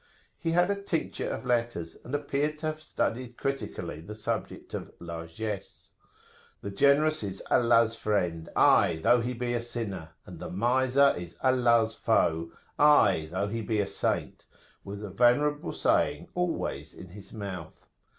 He had a tincture of letters, and appeared to have studied critically the subject of "largesse." "The Generous is Allah's friend, aye, though he be a Sinner, and the Miser is Allah's Foe, aye, though he be a Saint," was a venerable saying always in his mouth.